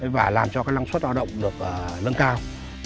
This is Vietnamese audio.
và làm cho lăng suất hoạt động được lớn cao